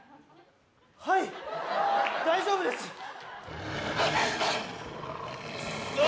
はい大丈夫ですクッソ